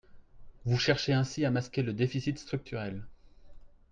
Vous cherchez ainsi à masquer le déficit structurel.